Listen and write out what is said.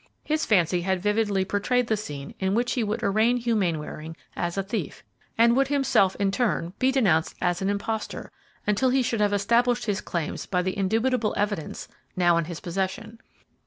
His fancy had vividly portrayed the scene in which he would arraign Hugh Mainwaring as a thief, and would himself, in turn, be denounced as an impostor until he should have established his claims by the indubitable evidence now in his possession.